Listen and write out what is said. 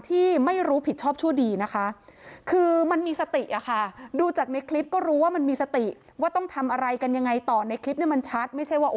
ที่ไม่รู้ผิดชอบชั่วดี